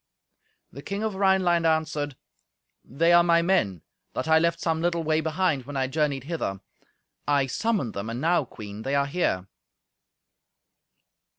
The King of Rhineland answered, "They are my men, that I left some little way behind when I journeyed hither. I summoned them, and now, Queen, they are here."